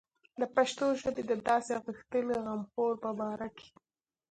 د پښتو ژبې د داسې غښتلي غمخور په باره کې.